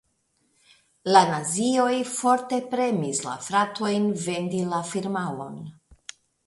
La nazioj forte premis la fratojn vendi la firmaon.